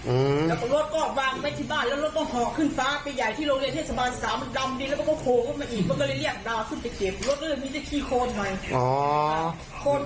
เอารถคันเล็กก่อนแล้วก็เราเก็บ